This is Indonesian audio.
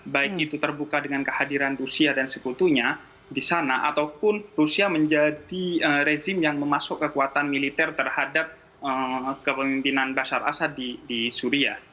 baik itu terbuka dengan kehadiran rusia dan sekutunya di sana ataupun rusia menjadi rezim yang memasuk kekuatan militer terhadap kepemimpinan basar asad di syria